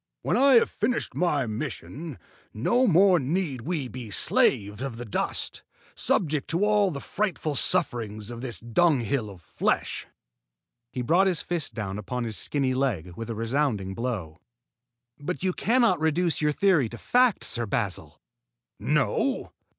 "When I have finished my mission, no more need we be slaves of the dust, subject to all the frightful sufferings of this dunghill of flesh." He brought his fist down upon his skinny leg with a resounding blow. "But you cannot reduce your theory to fact, Sir Basil!" "No?"